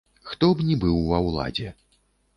Хто б ні быў ва ўладзе.